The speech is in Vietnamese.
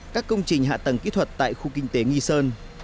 các công trình hạ tầng kỹ thuật tại khu kinh tế nghi sơn